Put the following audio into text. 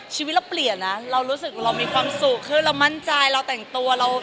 ชีวิตเราเปลี่ยนนะเรารู้สึกเรามีความสุขคือเรามั่นใจเราแต่งตัวเรา